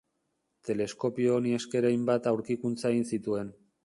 Teleskopio honi esker hainbat aurkikuntza egin zituen.